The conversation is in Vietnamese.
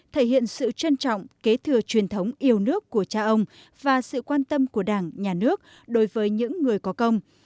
thể hiện sự trân trọng kế thừa truyền thống yêu nước của cha ông và sự quan tâm của đảng nhà nước đối với những người có công